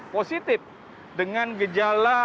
positif dengan gejala